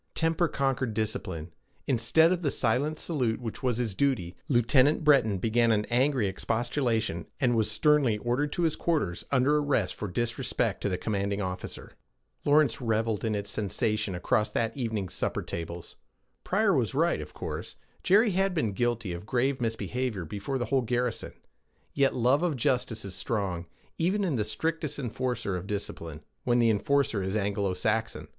Temper conquered discipline. Instead of the silent salute which was his duty, Lieutenant Breton began an angry expostulation, and was sternly ordered to his quarters, under arrest for disrespect to the commanding officer. Lawrence reveled in its sensation across that evening's supper tables. Pryor was right, of course: Jerry had been guilty of grave misbehavior before the whole garrison. Yet love of justice is strong, even in the strictest enforcer of discipline when the enforcer is Anglo Saxon.